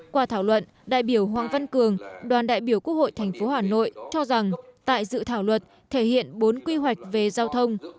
qua thảo luận đại biểu hoàng văn cường đoàn đại biểu quốc hội tp hà nội cho rằng tại dự thảo luật thể hiện bốn quy hoạch về giao thông